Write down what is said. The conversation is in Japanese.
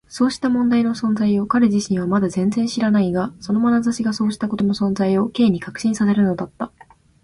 そうした問題の存在を彼自身はまだ全然知らないが、そのまなざしがそうしたことの存在を Ｋ に確信させるのだった。